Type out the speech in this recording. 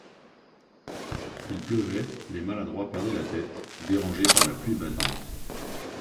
Il pleuvait, les maladroits perdaient la tête, dérangés par la pluie battante.